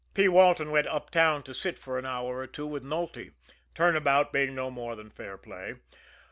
P. Walton went uptown to sit for an hour or two with Nulty turn about being no more than fair play.